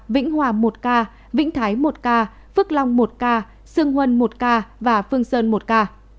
vĩnh hòa một k vĩnh thái một k phước long một k sương huân một k và phương sơn một k